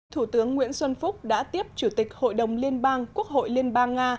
thủ tướng nguyễn xuân phúc đã tiếp chủ tịch hội đồng liên bang quốc hội liên bang nga